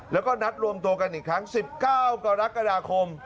แล้วก็นัดรวมตัวกันอีกครั้ง๑๙กรกฎาคม